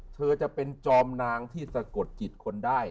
เธอจะเป็นจอมนางที่สะกดจิตคนได้